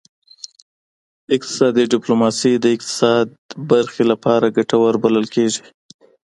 اقتصادي ډیپلوماسي د اقتصاد برخې لپاره ګټوره بلل کیږي